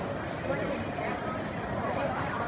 พี่แม่ที่เว้นได้รับความรู้สึกมากกว่า